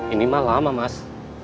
ini mah lama mas